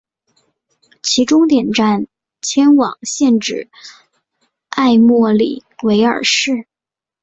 其终点站迁往现址埃默里维尔市。